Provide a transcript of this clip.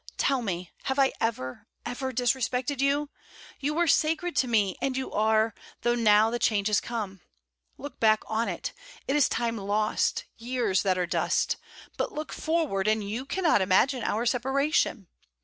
Tell me, have I ever, ever disrespected you? You were sacred to me; and you are, though now the change has come. Look back on it it is time lost, years that are dust. But look forward, and you cannot imagine our separation.